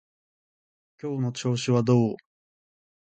今日の調子はどう？